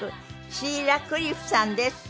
シーラ・クリフさんです。